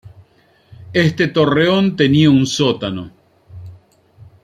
Este torreón tenía un sótano.